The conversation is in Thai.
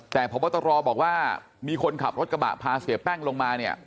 แต่พบตรบอกว่ามีคนขับรถกระบะพาเสียแป้งลงมาเนี่ย